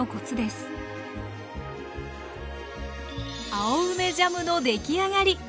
青梅ジャムのできあがり。